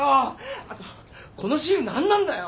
あとこのシール何なんだよ。